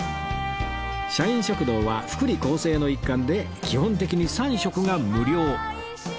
社員食堂は福利厚生の一環で基本的に３食が無料